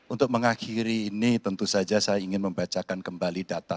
untuk mengakhiri ini tentu saja saya ingin membacakan kembali data